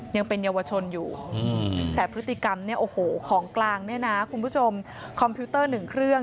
ยังเป็นเยาวชนอยู่แต่พฤติกรรมของกลางคุณผู้ชมคอมพิวเตอร์๑เครื่อง